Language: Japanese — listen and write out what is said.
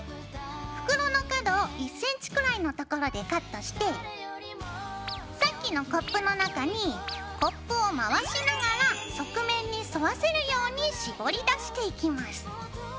袋の角を１ｃｍくらいの所でカットしてさっきのコップの中にコップを回しながら側面に沿わせるようにしぼり出していきます。